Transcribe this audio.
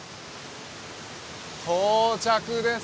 到着です。